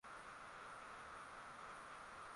Leo kuna tamasha la kuchangia sentensi